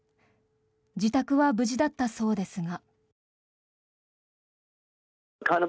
自宅は無事だったそうですが。